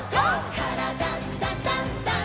「からだダンダンダン」